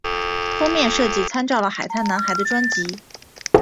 封面设计参照了海滩男孩的专辑。